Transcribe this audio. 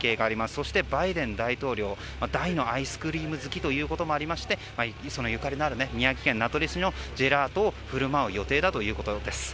そしてバイデン大統領は大のアイスクリーム好きというのもあってゆかりのある宮城県名取市のジェラートを振る舞う予定だということです。